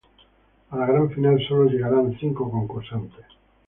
A la gran final sólo llegarán cinco concursantes.